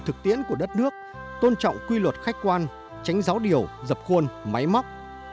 thực tiễn của đất nước tôn trọng quy luật khách quan tránh giáo điều dập khuôn máy móc